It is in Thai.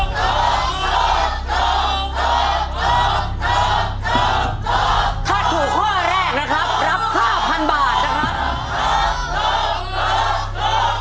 ถ้าถูกข้อแรกนะครับรับ๕๐๐๐บาทนะครับ